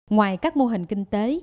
ngoài các mô hình kinh tế